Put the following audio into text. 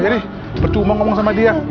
jadi berjumlah ngomong sama dia